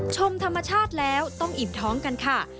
ชมธรรมชาติแล้วต้องอิ่มท้องกันค่ะ